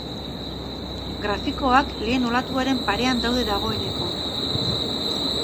Grafikoak lehen olatuaren parean daude dagoeneko.